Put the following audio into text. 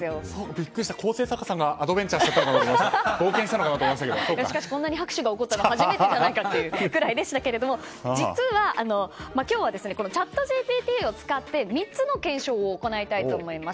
ビックリした構成作家さんがアドベンチャーしたのかとこんなに拍手が起きたのは初めてじゃないかくらいでしたけれども今日はチャットＧＰＴを使って３つの検証を行いたいと思います。